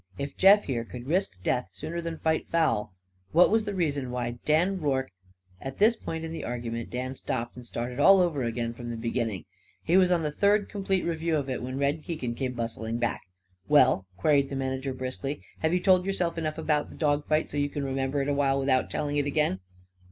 If Jeff, here, could risk death sooner than fight foul, what was the reason why Dan Rorke At this point in the argument Dan stopped and started all over, from the beginning. He was on the third complete review of it when Red Keegan came bustling back. "Well," queried the manager briskly, "have you told yourself enough about the dog fight, so's you c'n remember it a while without telling it again?"